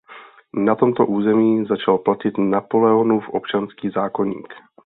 Na tomto území začal platit Napoleonův občanský zákoník.